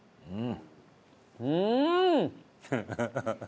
うん。